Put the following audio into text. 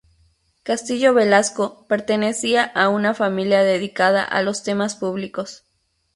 Castillo Velasco pertenecía a una familia dedicada a los temas públicos.